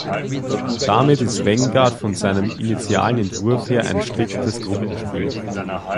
Damit ist Vanguard von seinem initialen Entwurf her ein striktes Gruppenspiel.